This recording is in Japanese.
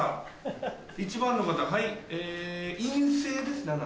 １番の方陰性ですねあなた。